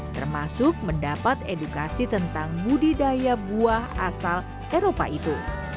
termasuk mendapat edukasi tentang budidaya buah asal eropa itu